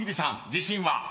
自信は？］